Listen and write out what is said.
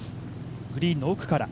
グリーンの奥から。